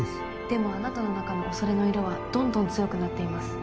でもあなたの中の「恐れ」の色はどんどん強くなっています。